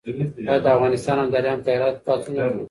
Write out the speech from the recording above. آیا د افغانستان ابدالیانو په هرات کې پاڅون وکړ؟